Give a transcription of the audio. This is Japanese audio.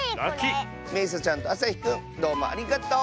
めいさちゃんとあさひくんどうもありがとう！